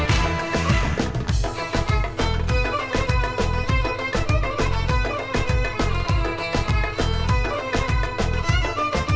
di setiap langkah perjalanan kita